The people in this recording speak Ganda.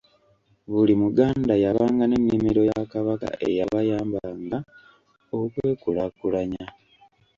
Buli Muganda yabanga n’ennimiro ya Kabaka eyabayabanga okwekulaakulanya.